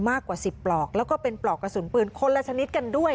มากกว่า๑๐ปลอกแล้วก็เป็นปลอกกระสุนปืนคนละชนิดกันด้วย